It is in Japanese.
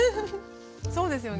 そうですよね。